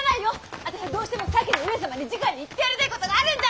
あたしゃどうしても先の上様にじかに言ってやりたいことがあるんだ！